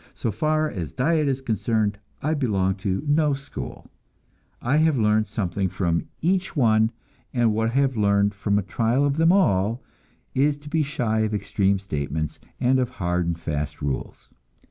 So far as diet is concerned, I belong to no school; I have learned something from each one, and what I have learned from a trial of them all is to be shy of extreme statements and of hard and fast rules.